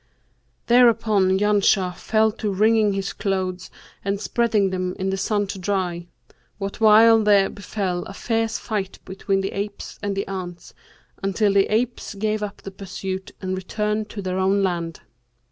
Thereupon Janshah fell to wringing his clothes and spreading them in the sun to dry, what while there befell a fierce fight between the apes and the ants, until the apes gave up the pursuit and returned to their own land.